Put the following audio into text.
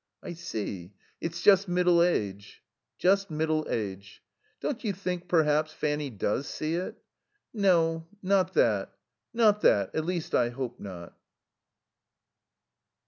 "I see. It's just middle age." "Just middle age." "Don't you think, perhaps, Fanny does see it?" "No. Not that. Not that. At least I hope not."